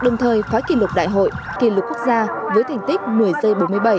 khóa kỷ lục đại hội kỷ lục quốc gia với thành tích một mươi giây bốn mươi bảy